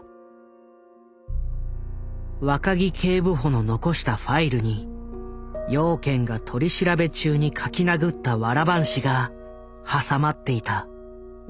若木警部補の残したファイルに養賢が取り調べ中に書きなぐったわら半紙が挟まっていた。